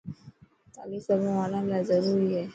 تاليم سڀان ٻاران لاءِ ضروري هي.